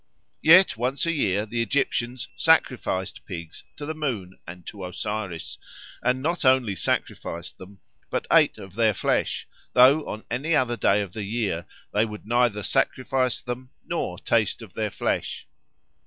Yet once a year the Egyptians sacrificed pigs to the moon and to Osiris, and not only sacrificed them, but ate of their flesh, though on any other day of the year they would neither sacrifice them nor taste of their flesh.